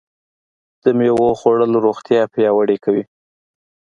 د مېوو خوړل روغتیا پیاوړې کوي.